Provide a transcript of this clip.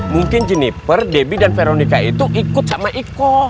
mungkin jenniper debbie dan veronica itu ikut sama iko